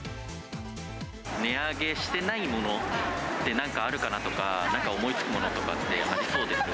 値上げしていないものってなんかあるかなとか、なんか思いつくものとかってありそうですか？